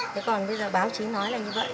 thế còn bây giờ báo chí nói là như vậy